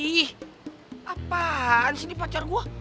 ih apaan sih ini pacar gue